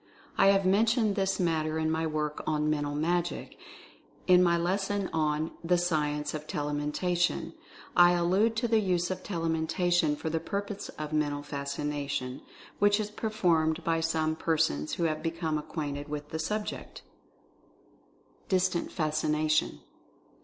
I have mentioned this matter in my work on "Mental Magic," in my lesson on "The Science of Telementation." I allude to the use of Telementation for the purpose of Mental Fascination, which is performed by some per sons who have become acquainted with the subject. DISTANT FASCINATION.